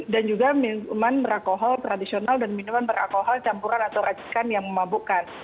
dan juga minuman beralkohol tradisional dan minuman beralkohol campuran atau rajikan yang memabukkan